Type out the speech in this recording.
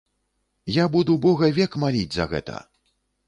Я буду бога век маліць за гэта!